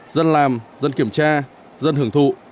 dân làm dân kiểm tra dân hưởng thụ